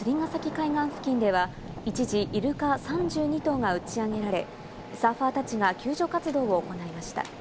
海岸付近では、一時、イルカ３２頭が打ちあげられ、サーファーたちが救助活動を行いました。